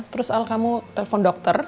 terus al kamu telpon dokter